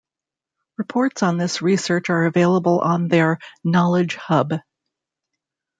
Reports on this research are available on their 'Knowledge Hub'.